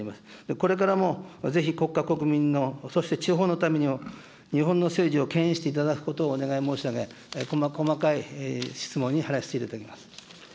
これからもぜひ国家、国民の、そして地方のために、日本の政治をけん引していただくことをお願い申し上げ、細かい質問に入らせていただきます。